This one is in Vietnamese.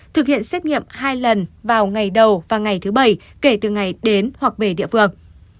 thực hiện xét nghiệm hai lần vào ngày đầu và ngày thứ bảy kể từ ngày đến hoặc về địa phương